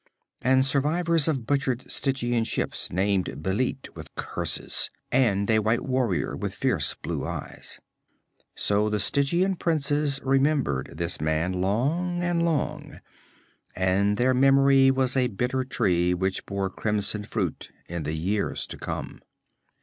And survivors of butchered Stygian ships named Bêlit with curses, and a white warrior with fierce blue eyes; so the Stygian princes remembered this man long and long, and their memory was a bitter tree which bore crimson fruit in the years to come.